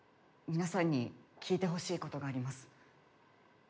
皆さんに聞いてほしいことがあります。